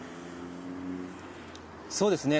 そうですね。